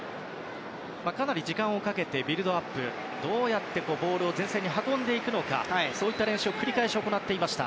かなり時間をかけてビルドアップどうやってボールを前線に運ぶかそういった練習を繰り返し行っていました。